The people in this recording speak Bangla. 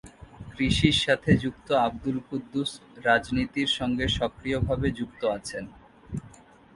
কৃষির সাথে যুক্ত আব্দুল কুদ্দুস রাজনীতির সঙ্গে সক্রিয় ভাবে যুক্ত আছেন।